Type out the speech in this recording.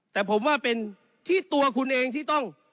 แต่ผมว่าเป็นที่ตัวคุณเองที่ต้อง